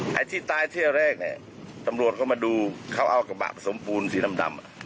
ใครที่ตายที่แรกตำรวจเข้ามาดูเขาเอากระบะสมปูนสีดำ